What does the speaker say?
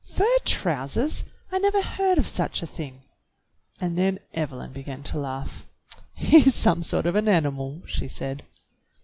"Fur trousers! I never heard of such a thing." And then Evelyn began to laugh. "He's some sort of an animal," she said.